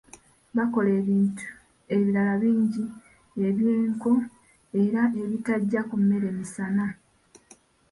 Bakola ebintu ebirala bingi eby'ekko era ebitajja ku mmere misana.